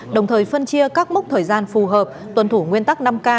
đồng thời phân chia các mốc thời gian phù hợp tuân thủ nguyên tắc năm k